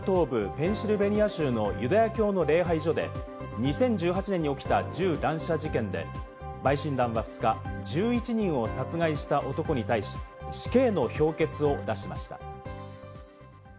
ペンシルベニア州のユダヤ教の礼拝所で、２０１８年に起きた銃乱射事件で、陪審団は２日、１１人を殺害した男に対し、死刑の評決を出しました。